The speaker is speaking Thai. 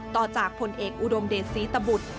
ต่อจากผลเอกอุดมเดชศรีตบุตร